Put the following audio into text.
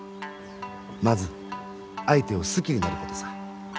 まず相手を好きになることさ。